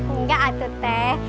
enggak atuh teh